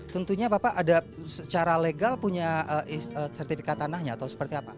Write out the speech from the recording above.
tentunya bapak ada secara legal punya sertifikat tanahnya atau seperti apa